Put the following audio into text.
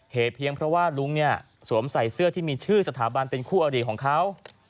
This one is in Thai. เพียงเพราะว่าลุงเนี่ยสวมใส่เสื้อที่มีชื่อสถาบันเป็นคู่อดีตของเขา